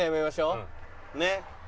ねっ。